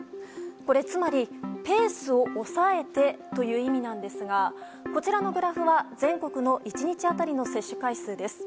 つまりペースを抑えてという意味なんですがこちらのグラフは全国の１日当たりの接種回数です。